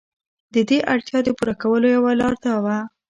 د دې اړتیا د پوره کولو یوه لار دا وه.